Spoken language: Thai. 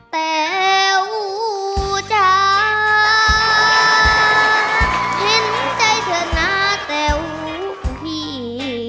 แต๋วจ๋าเห็นใจเธอนะแต๋วพี่